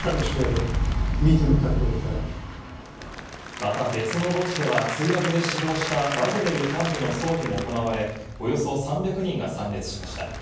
また別の墓地では墜落で死亡したワグネル幹部の葬儀も行われ、およそ３００人が参列しました。